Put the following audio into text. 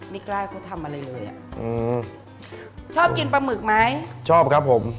ไม่กล้าให้เขาทำอะไรเลยอ่ะอืมชอบกินปลาหมึกไหมชอบครับผม